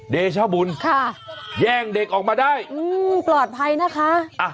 เดชบุญค่ะแย่งเด็กออกมาได้อืมปลอดภัยนะคะ